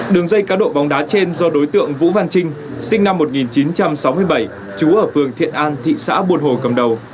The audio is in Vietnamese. đường dây cá độ bóng đá trên do đối tượng vũ văn trinh sinh năm một nghìn chín trăm sáu mươi bảy trú ở phường thiện an thị xã buôn hồ cầm đầu